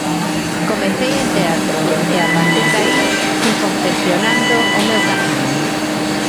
Comecei en teatro, e a partir de aí fun confeccionando o meu camiño.